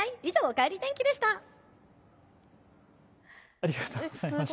ありがとうございます。